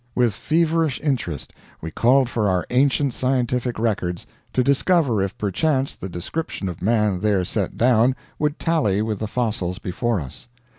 "With feverish interest we called for our ancient scientific records to discover if perchance the description of Man there set down would tally with the fossils before us.